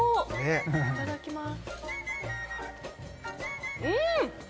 いただきます。